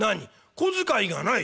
小遣いがない？